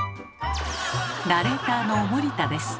ナレーターの森田です。